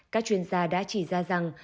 các chuyên gia đã chỉ ra rằng